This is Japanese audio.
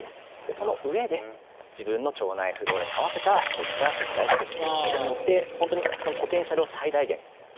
そのうえで自分の腸内フローラに合わせたこういった食材を摂取することによってプラスオンと。